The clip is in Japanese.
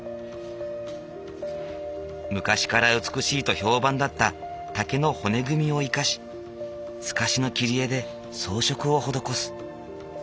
昔から美しいと評判だった竹の骨組みを生かし透かしの切り絵で装飾を施す。